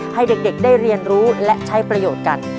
ให้เด็กได้เรียนรู้และใช้ประโยชน์กัน